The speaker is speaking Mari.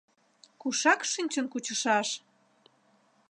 Кушак шинчын кучышаш?